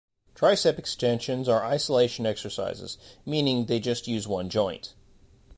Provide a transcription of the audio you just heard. Triceps extensions are isolation exercises, meaning they use just one joint.